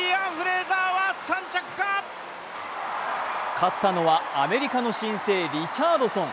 勝ったのはアメリカの新星、リチャードソン。